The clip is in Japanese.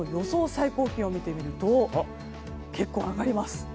最高気温を見てみると結構上がります。